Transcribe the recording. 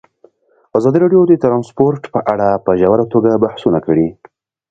ازادي راډیو د ترانسپورټ په اړه په ژوره توګه بحثونه کړي.